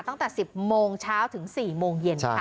ตั้งแต่๑๐โมงเช้าถึง๔โมงเย็นค่ะ